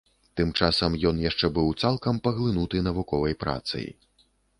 Тым часам ён яшчэ быў цалкам паглынуты навуковай працай.